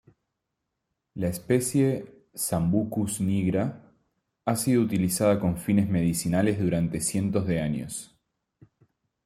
La especie "Sambucus nigra" ha sido utilizada con fines medicinales durante cientos de años.